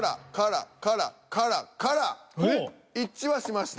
一致はしました。